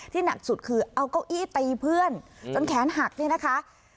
หนักสุดคือเอาเก้าอี้ตีเพื่อนจนแขนหักเนี่ยนะคะ